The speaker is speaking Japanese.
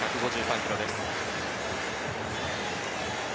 １５３キロです。